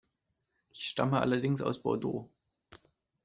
Ich stamme allerdings aus Bordeaux.